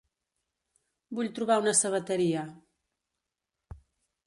Vull trobar una sabateria.